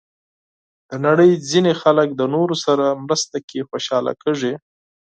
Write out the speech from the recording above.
د نړۍ ځینې خلک د نورو سره مرسته کې خوشحاله کېږي.